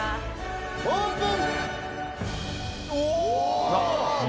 オープン。